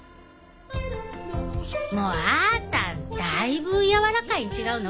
もうあーただいぶ柔らかいん違うの？